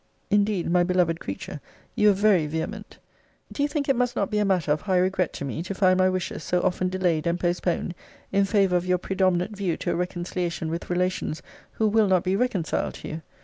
Indeed, my beloved creature, you were very vehement. Do you think it must not be matter of high regret to me, to find my wishes so often delayed and postponed in favour of your predominant view to a reconciliation with relations who will not be reconciled to you?